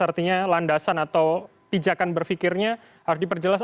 artinya landasan atau pijakan berfikirnya harus diperjelas